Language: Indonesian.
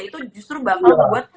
itu justru bakal buat